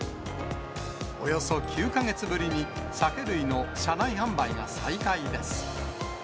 およそ９か月ぶりに、酒類の車内販売が再開です。